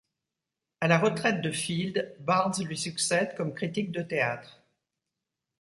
À la retraite de Field, Barnes lui succède comme critique de théâtre.